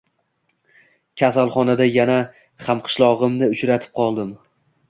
Kasalxonada yana hamqishlog`imni uchratib qoldim